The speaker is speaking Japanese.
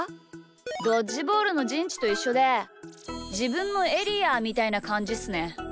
ドッジボールのじんちといっしょでじぶんのエリアみたいなかんじっすね。